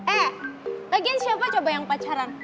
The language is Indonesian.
eh lagian siapa coba yang pacaran